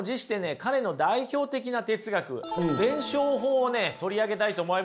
彼の代表的な哲学弁証法を取り上げたいと思います。